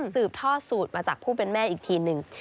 ทอดสูตรมาจากผู้เป็นแม่อีกทีหนึ่ง